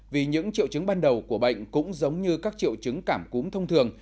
vì những triệu chứng ban đầu của bệnh cũng giống như các triệu chứng cảm cúm thông thường